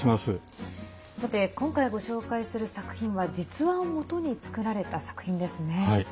さて今回ご紹介する作品は実話をもとに作られた作品ですね。